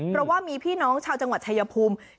เพราะว่ามีพี่น้องชาวจังหวัดชายภูมิ